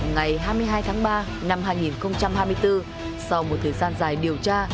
ngày hai mươi hai tháng ba năm hai nghìn hai mươi bốn sau một thời gian dài điều tra